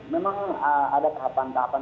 memang ada tahapan tahapan